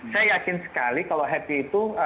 saya yakin sekali kalau happy itu